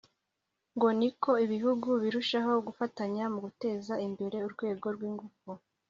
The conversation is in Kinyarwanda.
ngo ni uko ibihugu birushaho gufatanya mu guteza imbere urwego rw’ingufu